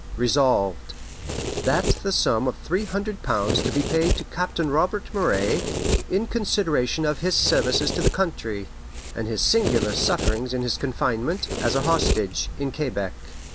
Resolved, That the sum of three hundred pounds be paid to Captain Robert Moray, in consideration of his services to the country, and his singular sufferings in his confinement, as a hostage, in Quebec.